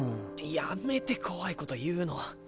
やめて怖いこと言うの。